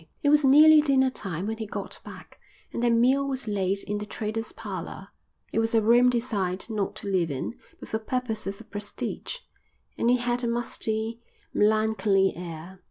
It was nearly dinner time when he got back, and their meal was laid in the trader's parlour. It was a room designed not to live in but for purposes of prestige, and it had a musty, melancholy air.